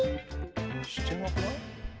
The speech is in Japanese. してなくない？